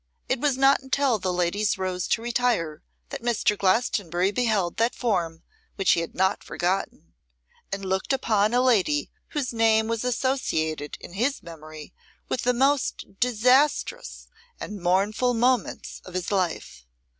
It was not until the ladies rose to retire that Mr. Glastonbury beheld that form which he had not forgotten, and looked upon a lady whose name was associated in his memory with the most disastrous and mournful moments of his life.